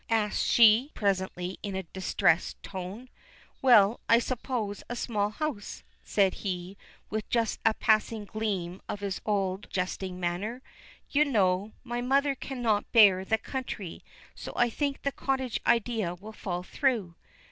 asks she presently in a distressed tone. "Well, I suppose a small house," said he, with just a passing gleam of his old jesting manner. "You know my mother cannot bear the country, so I think the cottage idea will fall through."